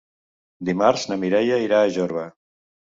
Dimarts na Mireia irà a Jorba.